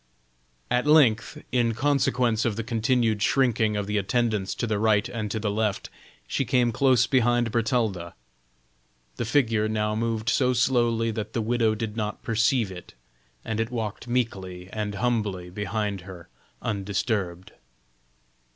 At length, in consequence of the continued shrinking of the attendants to the right and to the left, she came close behind Bertalda. The figure now moved so slowly that the widow did not perceive it, and it walked meekly and humbly behind her undisturbed.